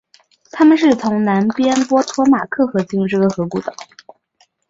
他们是从南边波托马克河进入这个河谷的。